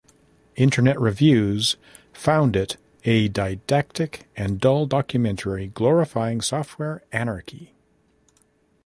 "Internet Reviews" found it "a didactic and dull documentary glorifying software anarchy.